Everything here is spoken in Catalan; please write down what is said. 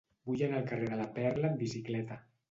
Vull anar al carrer de la Perla amb bicicleta.